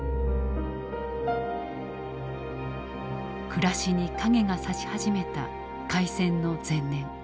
暮らしに影が差し始めた開戦の前年。